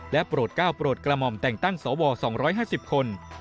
และโปรด๙โปรดกรมมแต่งตั้งสว๒๕๐คน